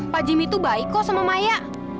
pak jimmy itu baik kok sama maya